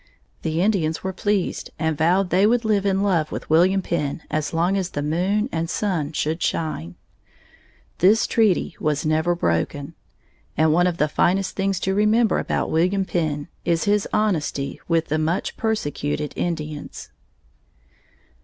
The Indians were pleased and vowed they would live in love with William Penn as long as the moon and sun should shine. This treaty was never broken. And one of the finest things to remember about William Penn is his honesty with the much persecuted Indians.